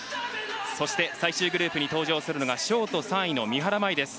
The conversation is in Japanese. そして最終グループに登場するのがショート３位の三原舞依です。